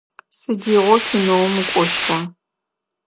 Сыдигъо кинэум укӏощта?